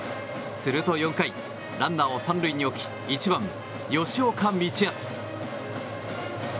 すると４回ランナーを３塁に置き１番、吉岡道泰。